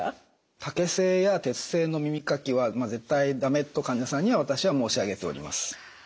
竹製や鉄製の耳かきは絶対だめと患者さんには私は申し上げております。